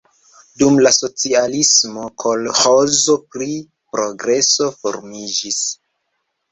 Dum la socialismo kolĥozo pri Progreso formiĝis.